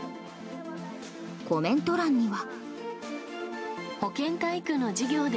コメント欄には。